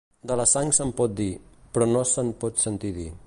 De la sang se'n pot dir, però no se'n pot sentir dir.